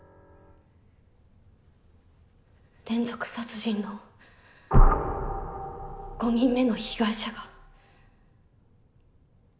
連続殺人の５人目の被害者が。